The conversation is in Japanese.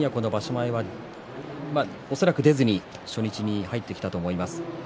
前は恐らく出ずに初日に入ってきたと思います。